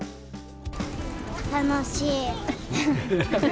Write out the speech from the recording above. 楽しい。